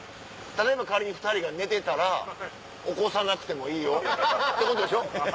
例えば仮に２人が寝てたら起こさなくてもいいよってことでしょ。